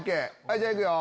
じゃいくよ。